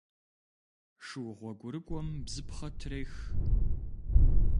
Шу гъуэгурыкӏуэм бзыпхъэ трех.